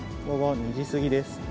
午後２時過ぎです。